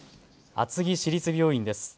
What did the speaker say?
厚木市立病院です。